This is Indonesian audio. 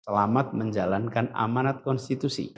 selamat menjalankan amanat konstitusi